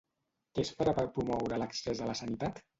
Què es farà per promoure l'accés a la sanitat?